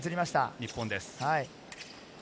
日本です。